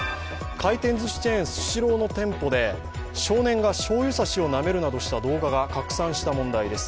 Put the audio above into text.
回転ずしチェーンスシローの店舗で少年がしょうゆ差しをなめるなどした動画が拡散した問題です。